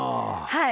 はい。